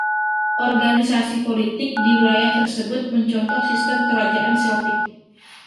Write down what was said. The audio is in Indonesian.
Organisasi politik di wilayah tersebut mencontoh sistem kerajaan Celtic.